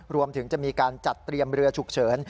รวมถึงจะมีการจัดเตรียมเรือฉุกเฉิน